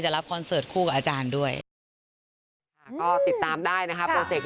จะรับคอนเซิร์ตคู่กับอาจารย์ด้วยก็ติดตามได้นะคะโปรเจกต์